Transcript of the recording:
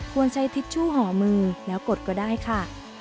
ควรใช้ทิชชู่ห่อมือแล้วกดก็ได้ค่ะ